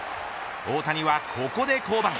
大谷はここで降板。